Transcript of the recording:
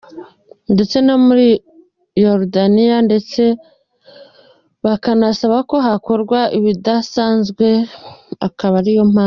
ndetse no muri Yorodaniya, ndetse bakanasaba ko hakorwa ibidasanzwe akaba.